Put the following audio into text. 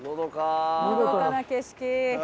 のどかな景色。